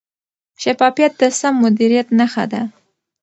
شفافیت د سم مدیریت نښه ده.